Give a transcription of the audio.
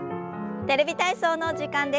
「テレビ体操」の時間です。